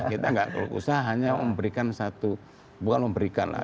kita nggak keluh kesah hanya memberikan satu bukan memberikan lah